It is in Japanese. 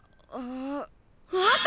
あった！